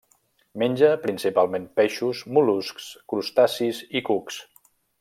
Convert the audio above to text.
Menja principalment peixos, mol·luscs, crustacis i cucs.